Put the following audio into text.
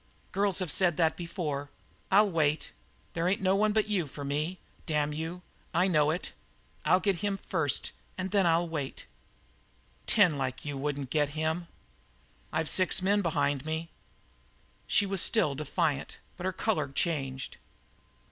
"Girls have said that before. I'll wait. There ain't no one but you for me damn you I know that. I'll get him first, and then I'll wait." "Ten like you couldn't get him." "I've six men behind me." She was still defiant, but her colour changed.